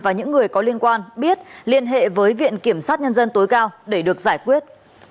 và những người có liên quan biết liên hệ với viện kiểm sát nhân dân tối cao để được giải quyết